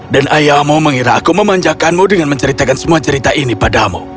dan ayahmu mengira aku memanjakanmu dengan menceritakan semua cerita ini padamu